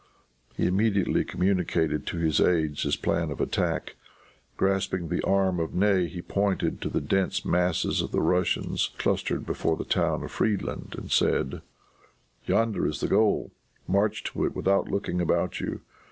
He immediately communicated to his aides his plan of attack. Grasping the arm of Ney, he pointed to the dense masses of the Russians clustered before the town of Friedland, and said, "Yonder is the goal. March to it without looking about you.